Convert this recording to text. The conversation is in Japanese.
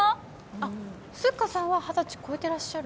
あっスッカさんは二十歳超えてらっしゃる？